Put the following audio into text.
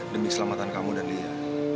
demi keselamatan kamu dan lia